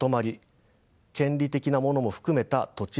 権利的なものも含めた土地の可能性